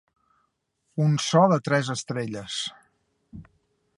Un so de tres estrelles.